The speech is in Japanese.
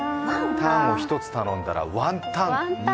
タンを１つ頼んだらワンタン。